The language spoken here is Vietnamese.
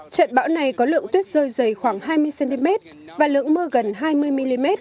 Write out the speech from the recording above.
trận bão này có lượng tuyết rơi dày khoảng hai mươi cm và lượng mưa gần hai mươi mm